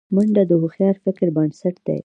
منډه د هوښیار فکر بنسټ دی